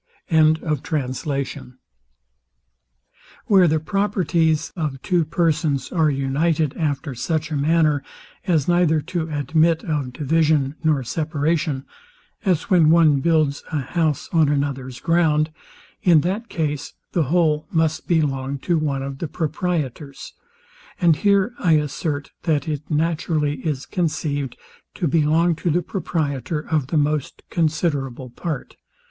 Where the properties of two persons are united after such a manner as neither to admit of division nor separation, as when one builds a house on another's ground, in that case, the whole must belong to one of the proprietors: And here I assert, that it naturally is conceived to belong to the proprietor of the most considerable part.